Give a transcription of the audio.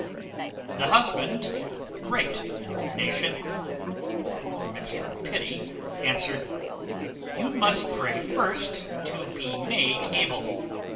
The husband, with great indignation, but with a mixture of pity, answered, "You must pray first to be made able.